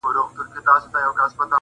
نن هغه اور د ابا پر مېنه بل دئ-